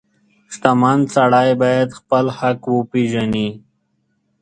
• شتمن سړی باید خپل حق وپیژني.